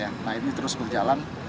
nah ini terus berjalan